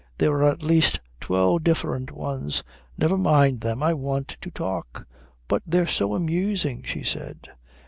"There are at least twelve different ones." "Never mind them. I want to talk." "But they're so amusing," she said.